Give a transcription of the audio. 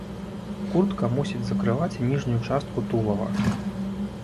Куртка мусіць закрываць ніжнюю частку тулава.